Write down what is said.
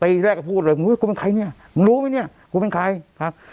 แรกก็พูดเลยมึงอุ้ยกูเป็นใครเนี่ยมึงรู้ไหมเนี่ยกูเป็นใครครับ